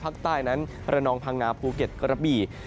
ภาคใต้นั้นระนองพังงาภูเก็ตกระบี่